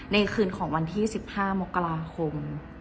ในคืนของวันที่๑๕มกราคม